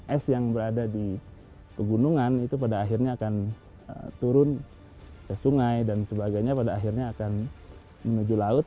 es yang berada di pegunungan itu pada akhirnya akan turun ke sungai dan sebagainya pada akhirnya akan menuju laut